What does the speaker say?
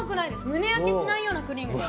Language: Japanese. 胸焼けしないようなクリーム。